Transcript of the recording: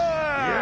や！